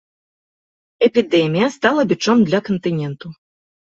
Эпідэмія стала бічом для кантыненту.